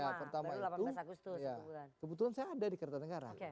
ya pertama itu keputusan saya ada di kretanegara